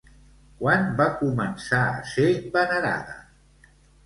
Quan va començar a ser venerada?